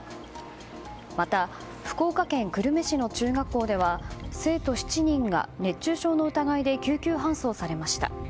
また福岡県久留米市の中学校では生徒７人が熱中症の疑いで救急搬送されました。